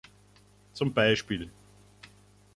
Zum Bsp.